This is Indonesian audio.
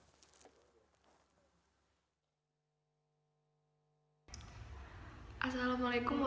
akhilman seperti biasa ada pertanyaan dari netizen